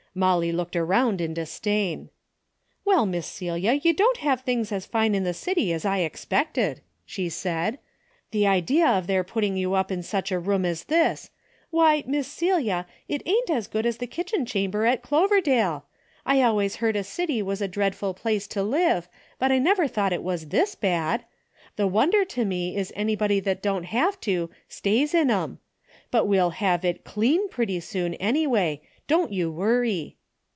Molly looked around in disdain. "Well, Miss Celia, you don't have things as fine in the city as I expected," she said. " The idea of their putting you up in such a room as this ! Why, Miss Celia, it ain't as good as the 128 A DAILY RATEI^ kitchen chamber at Cloverdale. I always heard a city was a dreadful place to live, but I never thought it was this bad. The wonder to me is anybody that don't have to, stays in 'em. But we'll have it clean pretty soon any way, don't you worry."